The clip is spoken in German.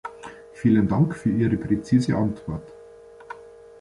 Vielen Dank für Ihre präzise Antwort.